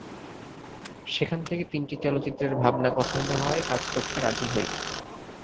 সেখান থেকে তিনটি চলচ্চিত্রের ভাবনা পছন্দ হওয়ায় কাজ করতে রাজি হই।